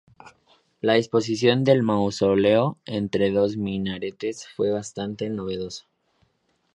La disposición del mausoleo entre dos minaretes fue bastante novedosa.